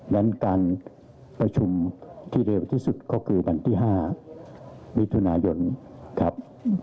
นั้นการประชุมที่เร็วที่สุดก็คือวันที่๕มิถุนายนครับ